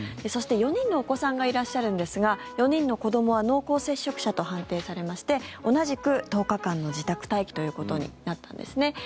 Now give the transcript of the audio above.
そして、４人のお子さんがいらっしゃるんですが４人の子どもは濃厚接触者と判定されまして同じく１０日間の自宅待機となったんですね。